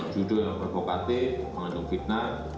judul yang provokatif mengandung fitnah